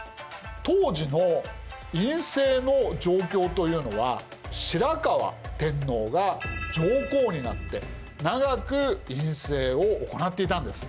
当時の院政の状況というのは白河天皇が上皇になって長く院政を行っていたんです。